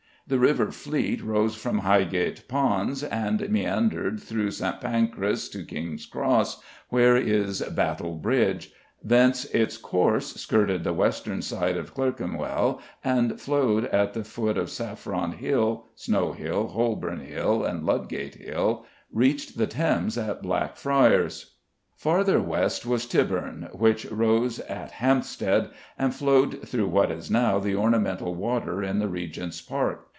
The river Fleet rose by Highgate Ponds, and meandered through St. Pancras to King's Cross, where is "Battle Bridge;" thence its course skirted the western side of Clerkenwell, and, flowing at the foot of Saffron Hill, Snow Hill, Holborn Hill, and Ludgate Hill, reached the Thames at Blackfriars. Farther west was Tybourne, which rose at Hampstead and flowed through what is now the ornamental water in the Regent's Park.